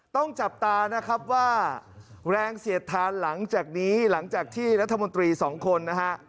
ต้องจับตานะครับว่าแรงเสียดทานหลังจากนี้หลังจากที่รัฐมนตรีสองคนนะฮะ